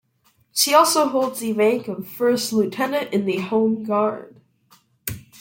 She also holds the rank of first lieutenant in the Home Guard.